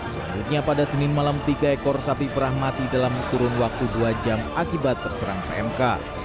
selanjutnya pada senin malam tiga ekor sapi perah mati dalam kurun waktu dua jam akibat terserang pmk